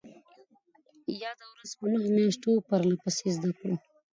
ياده ورځ د نهو مياشتو پرلهپسې زدهکړو